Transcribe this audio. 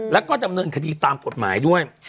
แล้วก็จำนวนคตีตามปฏิหรือหลายด้วย